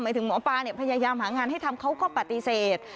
ถึงหมอปลาพยายามหางานให้ทำเขาก็ปฏิเสธ